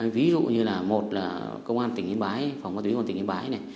ví dụ như là một là công an tỉnh yên bái phòng bán tỉnh yên bái này